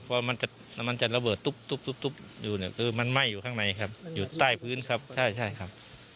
เพราะมันจะมันจะระเบิดตุ๊บตุ๊บตุ๊บตุ๊บอยู่เนี่ยคือมันไหม้อยู่ข้างในครับอยู่ใต้พื้นครับใช่ใช่ครับ